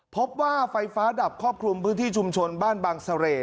พบว่าไฟฟ้าดับครอบคลุมพื้นที่ชุมชนบ้านบางเสร่